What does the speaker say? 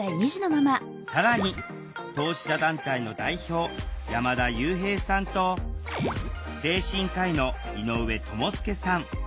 更に当事者団体の代表山田悠平さんと精神科医の井上智介さん。